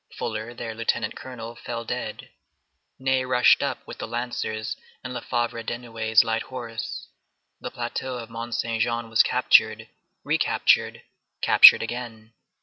Fuller, their lieutenant colonel, fell dead. Ney rushed up with the lancers and Lefebvre Desnouettes's light horse. The plateau of Mont Saint Jean was captured, recaptured, captured again.